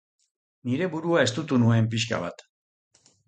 Nire burua estutu nuen pixka bat.